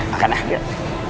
makan lah yuk